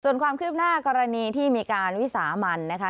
ส่วนความคืบหน้ากรณีที่มีการวิสามันนะคะ